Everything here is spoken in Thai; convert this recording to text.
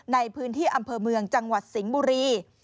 ในพื้นที่อำเภอเมืองจังหวัดสิงห์บุรี